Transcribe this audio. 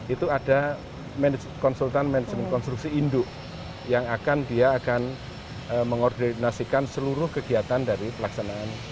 itu ada konsultan manajemen konstruksi induk yang akan dia akan mengoordinasikan seluruh kegiatan dari pelaksanaan